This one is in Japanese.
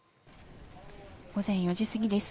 午前４時過ぎです。